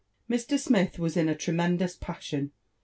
Mr. Smith was in a tremendous passion.